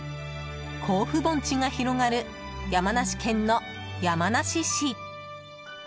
甲府盆地が広がる山梨県の山梨市。